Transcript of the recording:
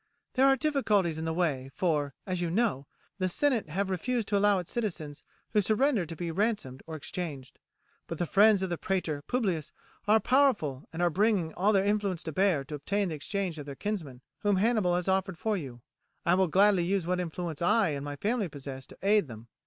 "There are difficulties in the way, for, as you know, the senate have refused to allow its citizens who surrender to be ransomed or exchanged; but the friends of the praetor Publius are powerful and are bringing all their influence to bear to obtain the exchange of their kinsman, whom Hannibal has offered for you. I will gladly use what influence I and my family possess to aid them.